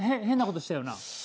変なことしたよな？